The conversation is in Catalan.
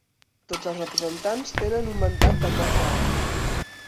Tots els representants tenen un mandat de quatre anys.